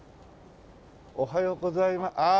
おはようございまああ！